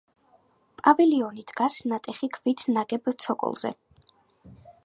პავილიონი დგას ნატეხი ქვით ნაგებ ცოკოლზე.